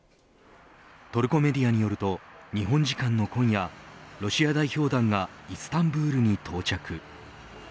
トルコメディアによると日本時間の今夜ロシア代表団がイスタンブールに到着。